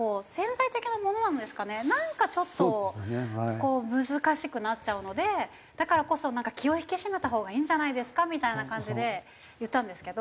こう難しくなっちゃうのでだからこそ気を引き締めた方がいいんじゃないですかみたいな感じで言ったんですけど。